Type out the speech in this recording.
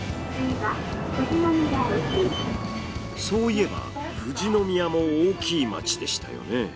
そういえば富士宮も大きい街でしたよね。